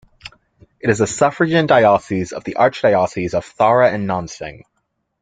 It is a suffragan diocese of the Archdiocese of Thare and Nonseng.